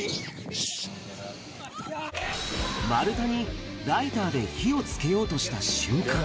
丸太にライターで火をつけようとした瞬間。